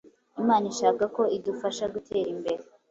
Imana ishaka ko idufasha gutera imbere